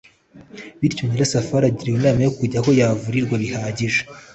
bityo nyirasafari agiriwe inama yo kujya aho yavurirwa bihagije,